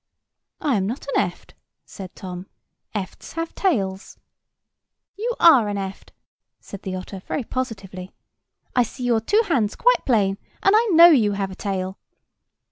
"I am not an eft!" said Tom; "efts have tails." "You are an eft," said the otter, very positively; "I see your two hands quite plain, and I know you have a tail."